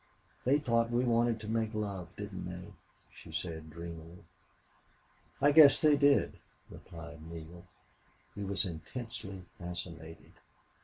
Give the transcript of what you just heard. "They thought we wanted to make love, didn't they?" she said, dreamily. "I guess they did," replied Neale. He was intensely fascinated.